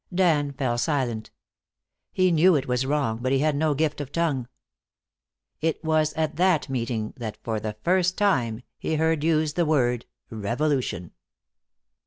Dan fell silent. He knew it was wrong, but he had no gift of tongue. It was at that meeting that for the first time he heard used the word "revolution."